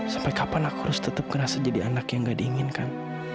sampai kapan aku harus tetap kerasa jadi anak yang gak diinginkan